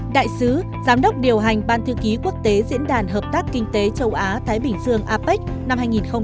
đại sứ giám đốc điều hành ban thư ký quốc tế diễn đàn hợp tác kinh tế châu á thái bình dương apec năm hai nghìn sáu